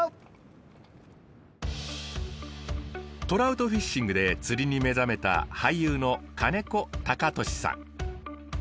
トラウトフィッシングで釣りに目覚めた俳優の金子貴俊さん。